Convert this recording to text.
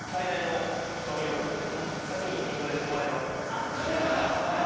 あっそういう事か。